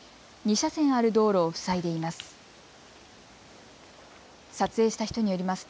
２車線ある道路を塞いでいます。